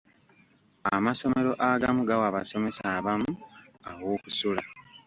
Amasomero agamu gawa abasomesa abamu aw'okusula.